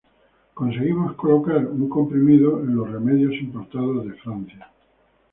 Conseguimos colocar un comprimido en los remedios importados de Francia.